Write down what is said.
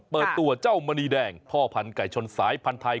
เปิดตัวเจ้ามณีแดงพ่อพันธุไก่ชนสายพันธุ์ไทย